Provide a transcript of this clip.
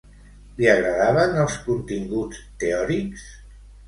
Li agradaven els continguts teòrics?